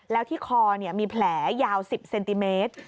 แล้วที่คอมีแผลยาว๑๐เซนติเมตร